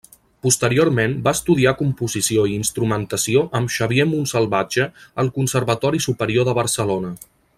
Posteriorment va estudiar composició i instrumentació amb Xavier Montsalvatge al Conservatori Superior de Barcelona.